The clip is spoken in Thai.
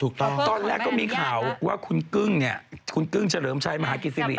ตอนแรกก็มีข่าวว่าคุณกึ้งเนี่ยคุณกึ้งเฉลิมชัยมหากิจศิริ